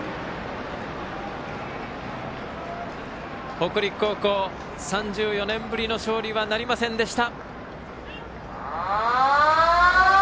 北陸高校、３４年ぶりの勝利はなりませんでした。